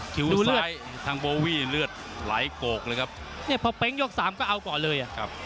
ซ้ายทางโบวี่เลือดไหลโกกเลยครับเนี่ยพอเป๊งยกสามก็เอาก่อนเลยอ่ะครับ